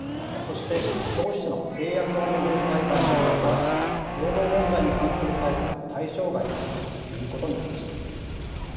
そして消費者の契約をめぐる裁判ですとか労働問題に関する裁判は対象外にするということになりました。